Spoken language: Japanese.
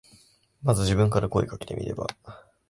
まず自分から声かけてみれば。